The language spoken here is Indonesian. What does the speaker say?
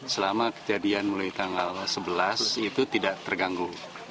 selama kejadian mulai tanggal sebelas itu tidak terganggu